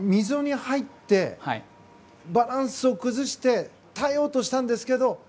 溝に入ってバランスを崩して耐えようとしたんですけど